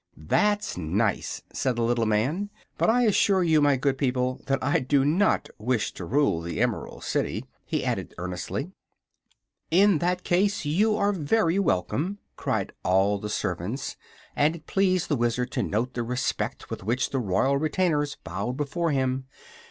"That's nice," said the little man. "But I assure you, my good people, that I do not wish to rule the Emerald City," he added, earnestly. "In that case you are very welcome!" cried all the servants, and it pleased the Wizard to note the respect with which the royal retainers bowed before him.